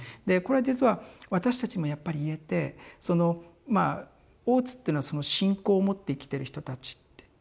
でこれ実は私たちもやっぱり言えてそのまあ大津っていうのは信仰を持って生きてる人たちって。